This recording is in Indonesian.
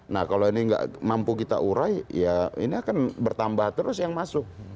nah kalau ini nggak mampu kita urai ya ini akan bertambah terus yang masuk